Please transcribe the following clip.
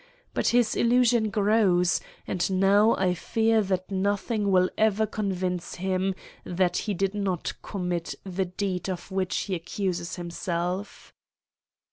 But his illusion grows, and now I fear that nothing will ever convince him that he did not commit the deed of which he accuses himself.